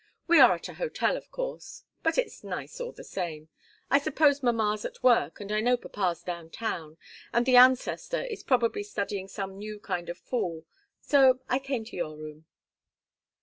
"We are at a hotel, of course but it's nice, all the same. I suppose mamma's at work and I know papa's down town, and the ancestor is probably studying some new kind of fool so I came to your room."